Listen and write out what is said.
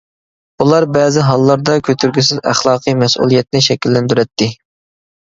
بۇلار بەزى ھاللاردا كۆتۈرگۈسىز ئەخلاقىي مەسئۇلىيەتنى شەكىللەندۈرەتتى.